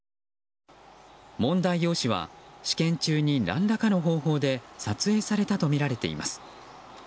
問題用紙は試験中に何らかの方法で撮影されたとみられています。